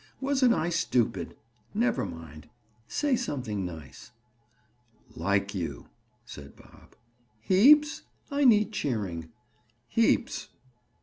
"Wasn't I stupid? Never mind. Say something nice." "Like you," said Bob. "Heaps? I need cheering." "Heaps."